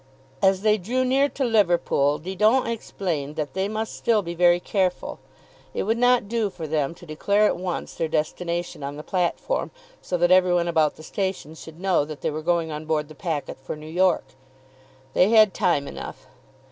As they drew near to Liverpool Didon explained that they must still be very careful. It would not do for them to declare at once their destination on the platform, so that every one about the station should know that they were going on board the packet for New York. They had time enough.